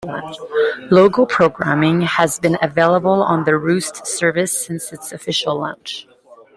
Logo programming has been available on the Roost service since its official launch.